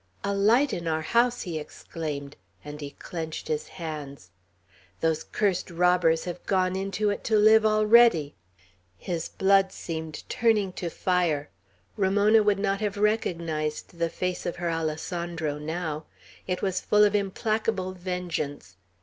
"A light in our house!" he exclaimed; and he clenched his hands. "Those cursed robbers have gone into it to live already!" His blood seemed turning to fire. Ramona would not have recognized the face of her Alessandro now. It was full of implacable vengeance.